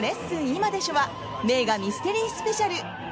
今でしょ！」は名画ミステリースペシャル。